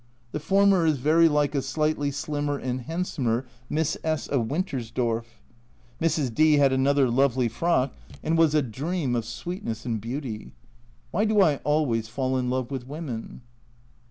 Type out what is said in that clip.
The former is very like a slightly slimmer and handsomer Miss S of Wintersdorf ! Mrs. D had another lovely frock, and was a ii2 A Journal from Japan dream of sweetness and beauty. Why do I always fall in love with women